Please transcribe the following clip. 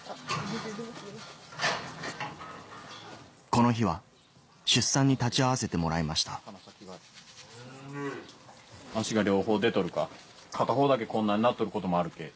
この日は出産に立ち会わせてもらいました片方だけこんなになっとることもあるけぇ。